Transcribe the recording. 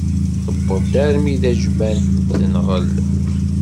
Tewweḍ armi d ajmam, tenɣel.